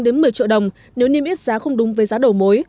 đến một mươi triệu đồng nếu niêm yết giá không đúng với giá đầu mối